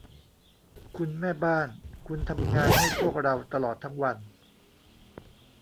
คุณแม่บ้าน คุณทำงานให้พวกเราตลอดทั้งวัน